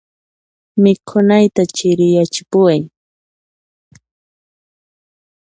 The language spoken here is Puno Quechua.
Mikhunayta chiriyachipuway.